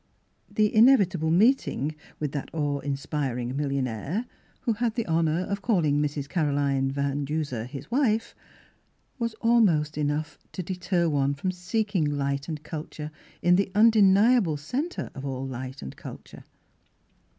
The inevitable meeting with that awe in spiring millionaire (who had the honour of calling Mrs. Caroline P. Van Duser his wife) was almost enough to deter one from seeking light and culture in the un deniable centre of all light and culture.